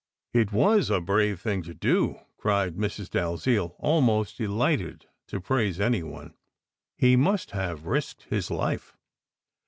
"It was a brave thing to do!" cried Mrs. Dalziel, al ways delighted to praise any one. "He must have risked his life."